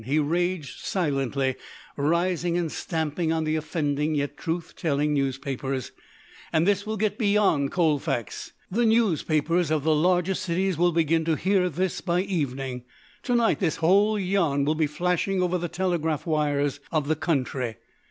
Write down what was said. he raged, silently, rising and stamping on the offending, yet truth telling, newspapers. "And this will get beyond Colfax! The newspapers of the larger cities will begin to hear of this by evening. To night this whole yarn will be flashing over the telegraph wires of the country.